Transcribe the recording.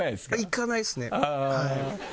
行かないですね。